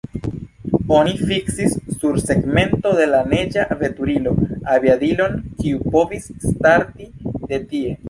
Oni fiksis sur tegmento de la neĝa veturilo aviadilon, kiu povis starti de tie.